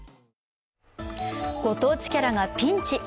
ご当地キャラがピンチ、ＰＲ